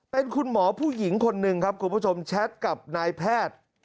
เป็นคุณหมอผู้หญิงคนหนึ่งครับคุณผู้ชมแชทกับนายแพทย์